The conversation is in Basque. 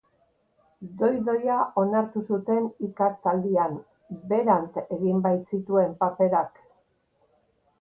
Doi-doia onartu zuten ikastaldian, berant egin baitzituen paperak.